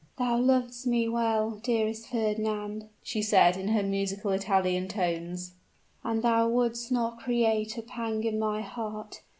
"Thou lovest me well, dearest Fernand," she said in her musical Italian tones; "and thou would'st not create a pang in my heart?